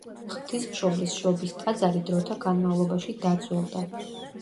ღვთისმშობლის შობის ტაძარი დროთა განმავლობაში დაძველდა.